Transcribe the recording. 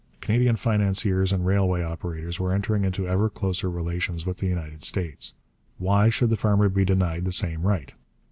Canadian financiers and railway operators were entering into ever closer relations with the United States; why should the farmer be denied the same right?